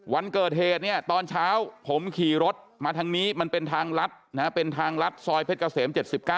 วันเกิดเหตุเนี่ยตอนเช้าผมขี่รถมาทางนี้มันเป็นทางลัดเป็นทางลัดซอยเพชรเกษม๗๙